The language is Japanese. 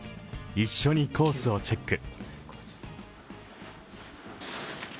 一緒にコースをチェック。